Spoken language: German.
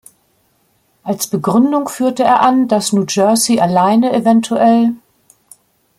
Als Begründung führte er an, dass New Jersey alleine evtl.